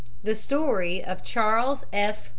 THE STORY OF CHARLES F.